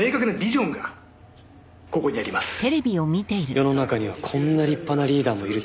世の中にはこんな立派なリーダーもいるというのに。